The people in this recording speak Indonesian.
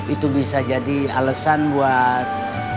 itu bisa jadi alesan buat